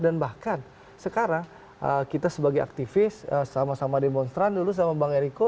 dan bahkan sekarang kita sebagai aktivis sama sama demonstran dulu sama bang ericko